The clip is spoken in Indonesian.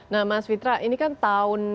nah mas fitra ini kan tahun